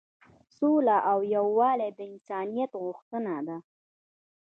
سوله او یووالی د انسانیت غوښتنه ده.